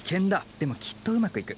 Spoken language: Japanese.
でもきっとうまく行く。